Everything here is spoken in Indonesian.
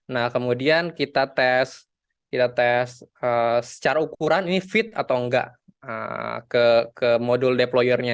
nah kemudian kita tes secara ukuran ini fit atau enggak ke modul deployernya